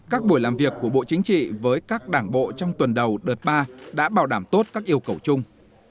các buổi làm việc của bộ chính trị với các đảng bộ trong tuần đầu đợt ba đã bảo đảm tốt các yêu cầu chung